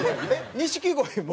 錦鯉も。